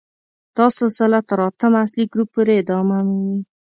دا سلسله تر اتم اصلي ګروپ پورې ادامه مومي.